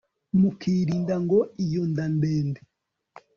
mukilinda ngo iyo nda ndende